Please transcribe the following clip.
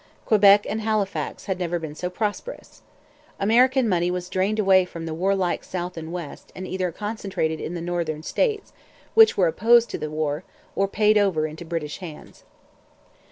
Quebec and Halifax had never been so prosperous. American money was drained away from the warlike South and West and either concentrated in the Northern States which were opposed to the war or paid over into British hands.